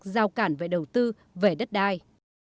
giao cản về đầu tư về đất đai